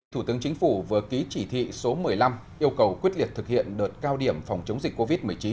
thủ tướng chính phủ vừa ký chỉ thị số một mươi năm yêu cầu quyết liệt thực hiện đợt cao điểm phòng chống dịch covid một mươi chín